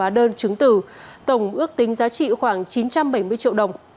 hóa đơn chứng tử tổng ước tính giá trị khoảng chín trăm bảy mươi triệu đồng